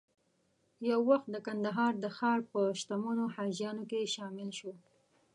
یو وخت د کندهار د ښار په شتمنو حاجیانو کې شامل شو.